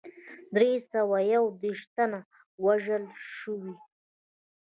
دری سوه یو دېرش تنه وژل شوي.